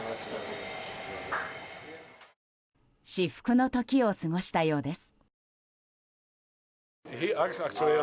至福の時を過ごしたようです。